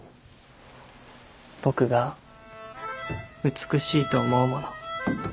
僕が美しいと思うもの。